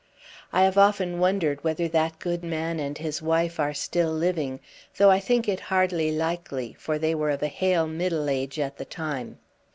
I have often wondered whether that good man and his wife are still living, though I think it hardly likely, for they were of a hale middle age at the time.